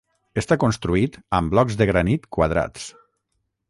Està construït amb blocs de granit quadrats.